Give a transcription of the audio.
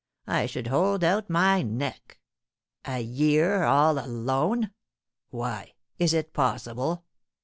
I should hold out my neck. A year all alone! Why, is it possible?